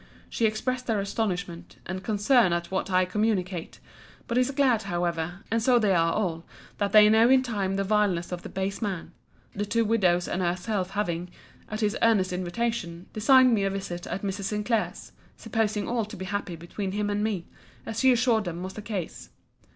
She expresses their astonishment, and concern at what I communicate: but is glad, however, and so they are all, that they know in time the vileness of the base man; the two widows and herself having, at his earnest invitation, designed me a visit at Mrs. Sinclair's: supposing all to be happy between him and me; as he assured them was the case.